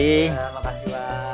terima kasih wak